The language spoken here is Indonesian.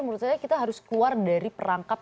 menurut saya kita harus keluar dari perangkap